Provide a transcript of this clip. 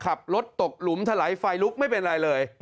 ขับรถตกหลุมถลายไฟลุกไม่เป็นไรเลย